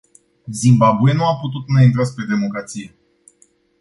Zimbabwe nu a putut înainta spre democrație.